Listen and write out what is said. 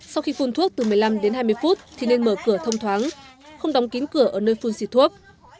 sau khi phun thuốc từ một mươi năm đến hai mươi phút thì nên mở cửa thông thoáng không đóng kín cửa ở nơi phun xịt thuốc